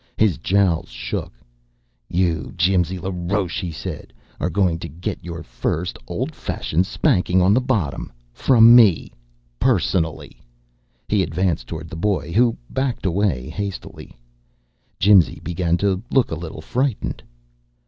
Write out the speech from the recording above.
His jowls shook. "You, Jimsy LaRoche," he said, "are going to get your first old fashioned spanking on the bottom! From me, personally!" He advanced toward the boy, who backed away hastily. Jimsy began to look a little frightened.